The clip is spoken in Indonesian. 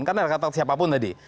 karena ada kata siapapun tadi